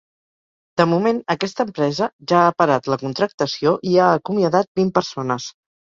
De moment aquesta empresa ja ha parat la contractació i ha acomiadat vint persones.